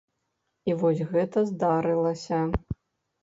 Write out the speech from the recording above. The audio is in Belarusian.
І вось гэта здарылася.